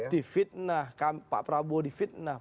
di fitnah pak prabowo di fitnah